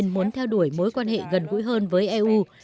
muốn theo đuổi mối quan hệ gần gũi hơn với eu